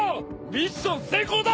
ミッション成功だ！